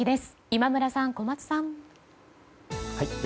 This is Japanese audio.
今村さん、小松さん。